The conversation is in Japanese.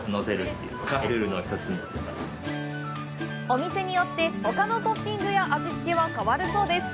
お店によって、ほかのトッピングや味付けは変わるそうです。